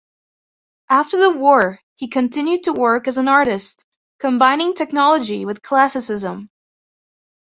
After the war he continued to work as an artist, combining technology with classicism.